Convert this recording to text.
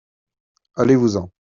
Allez-vous-en !